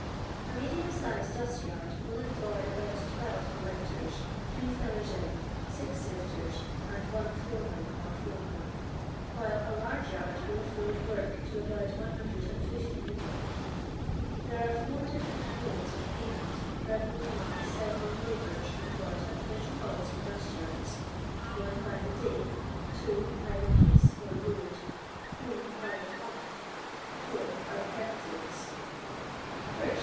A medium sized dust yard will employ about twelve collectors, three fiUers in, six sifters, and one foreman or forewoman ; while a huge yard will afford work to about 150 people. There are four different modes of payment prevalent among the several labourers employed at the metropolitan dust yards :— <1) by the day; (2) by the piece or load; (8) by the lump; (4) by perquisites. 1st.